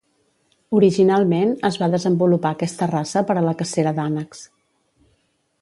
Originalment es va desenvolupar aquesta raça per a la cacera d'ànecs.